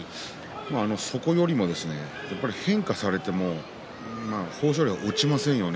そこよりも変化されても豊昇龍は落ちませんよね